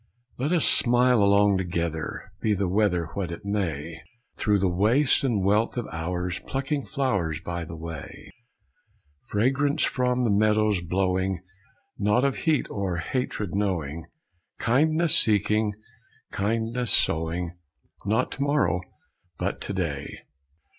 Let us smile along together, Be the weather What it may. Through the waste and wealth of hours, Plucking flowers By the way. Fragrance from the meadows blowing, Naught of heat or hatred knowing, Kindness seeking, kindness sowing, Not to morrow, but to day.